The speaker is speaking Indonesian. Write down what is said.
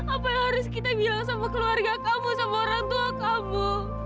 apa yang harus kita bilang sama keluarga kamu sama orang tua kamu